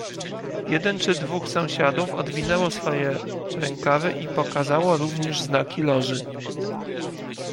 "Jeden czy dwóch sąsiadów odwinęło swoje rękawy i pokazało również znaki Loży."